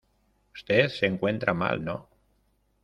¿ usted se encuentra mal? no.